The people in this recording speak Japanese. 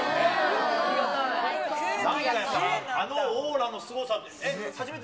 あのオーラのすごさって。